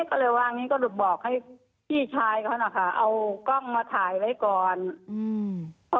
ก็เลยว่างี้ก็หลุดบอกให้พี่ชายเขานะคะเอากล้องมาถ่ายไว้ก่อนอืม